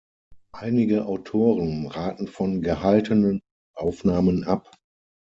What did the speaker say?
Einige Autoren raten von gehaltenen Aufnahmen ab.